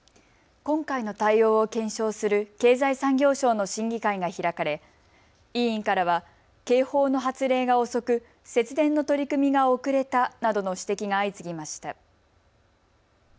今回の対応を検証する経済産業省の審議会が開かれ委員からは警報の発令が遅く節電の取り組みが遅れたなどの指摘が相次ぎました。